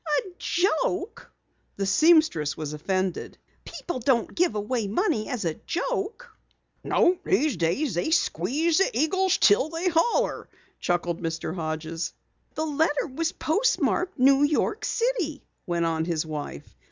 "A joke!" The seamstress was offended. "People don't give away money as a joke." "No, these days they squeeze the eagles until they holler," chuckled Mr. Hodges. "The letter was postmarked New York City," went on his wife.